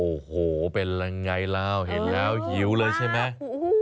โอ้โหเป็นยังไงล่ะเห็นแล้วหิวเลยใช่ไหม